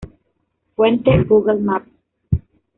Fuente: Google Maps